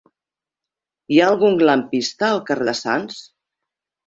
Hi ha algun lampista al carrer de Sants?